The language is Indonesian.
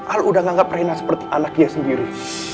al udah menganggap reina seperti anaknya sendiri